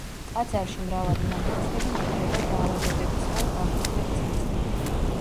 ტაძარში მრავალი მომლოცველი მოდიოდა დაავადებებისგან განკურნების მიზნით.